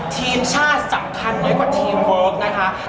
ทีมชาติสำคัญน้อยกว่าทีมเวิร์คนะคะ